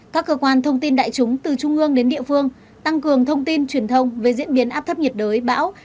các cơ quan thông tin đại chúng từ trung ương đến địa phương tăng cường thông tin truyền thông về diễn biến áp thấp nhiệt đới bão